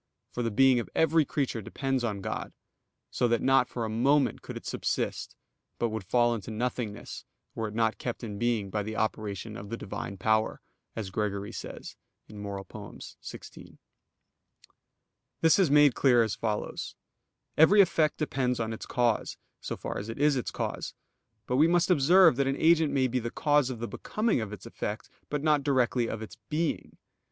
For the being of every creature depends on God, so that not for a moment could it subsist, but would fall into nothingness were it not kept in being by the operation of the Divine power, as Gregory says (Moral. xvi). This is made clear as follows: Every effect depends on its cause, so far as it is its cause. But we must observe that an agent may be the cause of the becoming of its effect, but not directly of its _being.